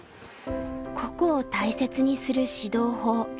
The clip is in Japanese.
個々を大切にする指導法。